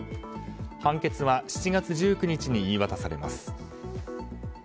判決は７月１９日に言い渡されます。